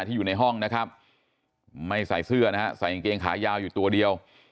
อยู่ในห้องนะครับไม่ใส่เสื้อนะฮะใส่กางเกงขายาวอยู่ตัวเดียว